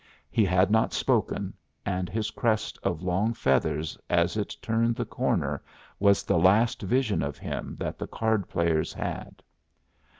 He had not spoken, and his crest of long feathers as it turned the corner was the last vision of him that the card players had.